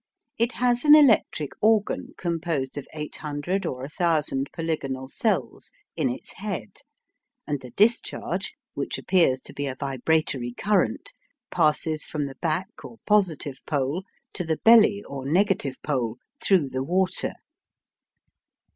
It has an electric organ composed of 800 or 1000 polygonal cells in its head, and the discharge, which appears to be a vibratory current, passes from the back or positive pole to the belly or negative pole through the water.